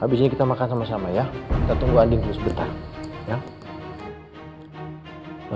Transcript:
habisnya kita makan sama sama ya kita tunggu andi sebentar ya